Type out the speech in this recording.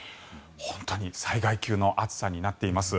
本当に災害級の暑さになっています。